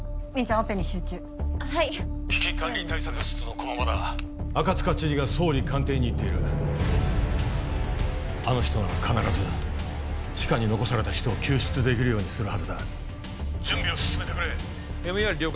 オペに集中あっはい危機管理対策室の駒場だ赤塚知事が総理官邸に行っているあの人なら必ず地下に残された人を救出できるようにするはずだ準備を進めてくれＭＥＲ了解